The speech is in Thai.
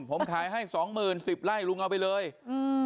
ผมขายให้สองหมื่นสิบไร่ลุงเอาไปเลยอืม